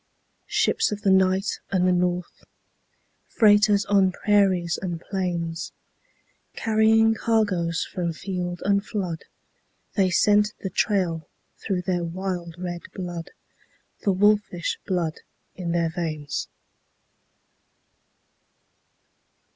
Ships of the night and the north, Freighters on prairies and plains, Carrying cargoes from field and flood They scent the trail through their wild red blood, The wolfish blood in their veins.